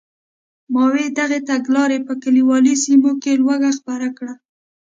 ماوو دغې تګلارې په کلیوالي سیمو کې لوږه خپره کړه.